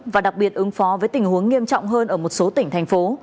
và đặc biệt ứng phó với tình huống nghiêm trọng hơn ở một số tỉnh thành phố